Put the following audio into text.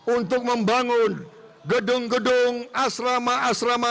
untuk membangun gedung gedung asrama asrama